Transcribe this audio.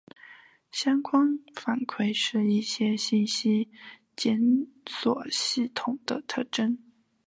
相关反馈是一些信息检索系统的特征。